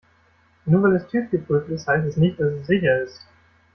Nur weil es TÜV-geprüft ist, heißt es nicht, dass es sicher ist.